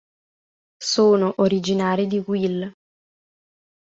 Sono originari di Wil.